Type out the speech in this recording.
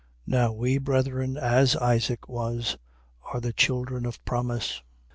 4:28. Now we, brethren, as Isaac was, are the children of promise. 4:29.